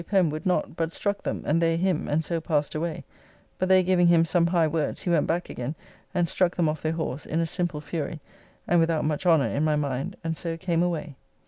Pen would not, but struck them and they him, and so passed away, but they giving him some high words, he went back again and struck them off their horse, in a simple fury, and without much honour, in my mind, and so came away.